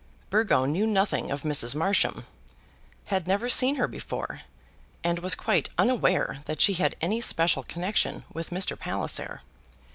Burgo knew nothing of Mrs. Marsham, had never seen her before, and was quite unaware that she had any special connection with Mr. Palliser.